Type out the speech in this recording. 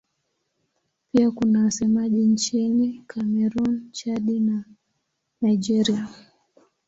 Pia kuna wasemaji nchini Kamerun, Chad na Nigeria.